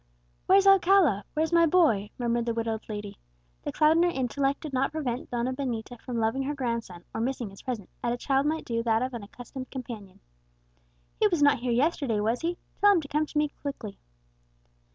"Where's Alcala? where's my boy?" murmured the widowed lady. The cloud on her intellect did not prevent Donna Benita from loving her grandson, or missing his presence, as a child might do that of an accustomed companion. "He was not here yesterday, was he? tell him to come to me quickly."